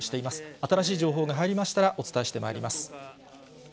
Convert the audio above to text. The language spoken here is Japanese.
新しい情報が入りましたら、お伝えしてまいります。